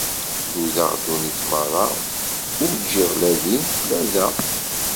Nudeɣ ddunit meṛṛa, ur ǧǧiɣ la din la da.